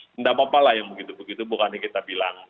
tidak apa apalah yang begitu begitu bukan yang kita bilang